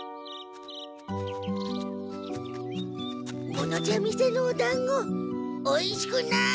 この茶店のおだんごおいしくない！